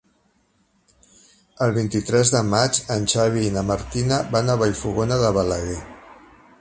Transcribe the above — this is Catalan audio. El vint-i-tres de maig en Xavi i na Martina van a Vallfogona de Balaguer.